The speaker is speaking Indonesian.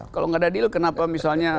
kalau nggak ada deal kenapa misalnya